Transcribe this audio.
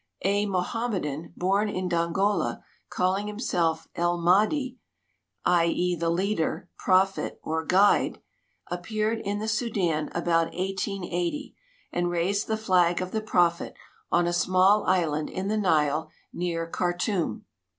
A Mohammedan, born in Dongola, calling'himself El Mahdi — i. e., the leader, prophet, or guide — appeared in the Sudan about 1880, and raised the flag of the Prophet on a small island in the Nile near Khartum.